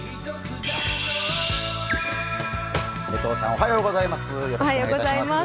おはようございます。